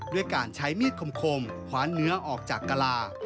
ด้วยการใช้มีดคมคว้าเนื้อออกจากกะลา